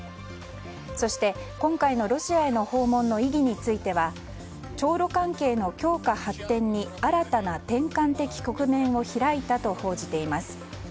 そして、今回のロシアへの訪問の意義については朝ロ関係の強化発展に新たな転換的局面を開いたと報じています。